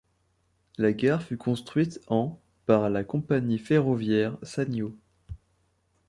La gare fut construite en par la compagnie ferroviaire Sanyo.